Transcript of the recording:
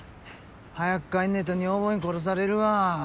早く帰んねぇと女房に殺されるわ。